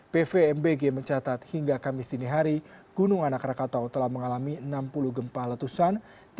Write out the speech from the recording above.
pvmbg mencatat hingga kamis dini hari gunung anak rakatau telah mengalami enam puluh gempa letusan